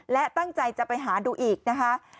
และตั้งใจจะไปหาดูอีกนะคะ